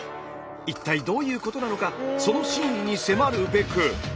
一体どういうことなのかその真意に迫るべく。